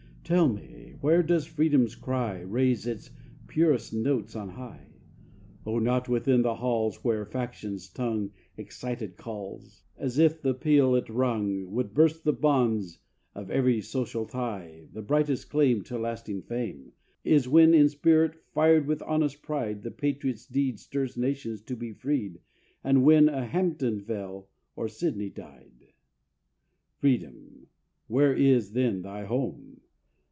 Tell me, where does Freedom's cry Raise its purest notes on high? Oh, not within the halls Where Faction's tongue Excited calls, As if th' appeal it rung Would burst the bonds of every social tie. The brightest claim to lasting fame Is when in spirit, fired with honest pride, The patriot's deed stirs nations to be freed, As when a Hampden fell, or Sidney died. Freedom, where is then thy home?